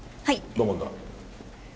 土門だ。